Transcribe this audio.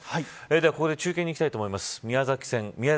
では、ここで中継にいきたいと思います。